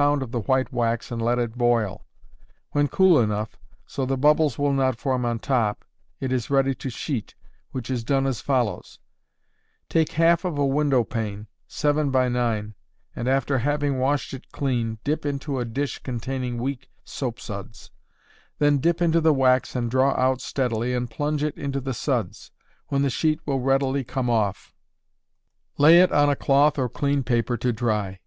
of the white wax and let it boil; when cool enough, so the bubbles will not form on top, it is ready to sheet, which is done as follows: Take half of a window pane, 7×9, and, after having washed it clean, dip into a dish containing weak soap suds; then dip into the wax and draw out steadily and plunge it into the suds, when the sheet will readily come off. Lay it on a cloth or clean paper to dry.